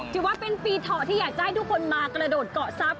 ถือว่าเป็นปีเถาะที่อยากจะให้ทุกคนมากระโดดเกาะทรัพย